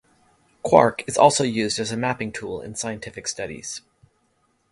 QuArK is also used as a mapping tool in scientific studies.